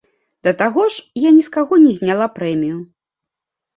Да таго ж, я ні з каго не зняла прэмію.